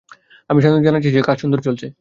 আমি সানন্দে জানাচ্ছি যে, কাজ সুন্দর চলছে।